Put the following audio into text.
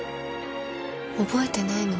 覚えてないの？